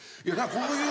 こういう。